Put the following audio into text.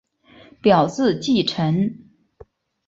表字稷臣。